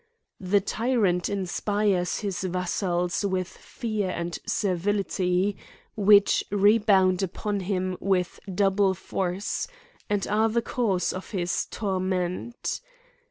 The tyrant inspires his vassals with fear and servihty, which rebound upon him with dou ble force, and are the cause of his torment.